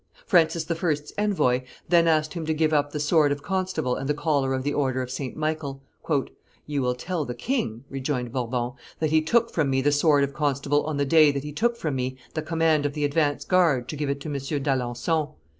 Francis I.'s envoy then asked him to give up the sword of constable and the collar of the order of St. Michael. "You will tell the king," rejoined Bourbon, "that he took from me the sword of constable on the day that he took from me the command of the advance guard to give it to M. d'Alencon.